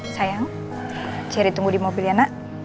sayang ciri tunggu di mobil ya nak